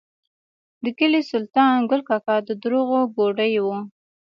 د کلي سلطان ګل کاکا د دروغو ګوډی و.